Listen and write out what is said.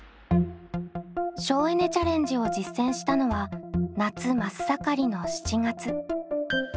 省エネ・チャレンジを実践したのは夏真っ盛りの７月。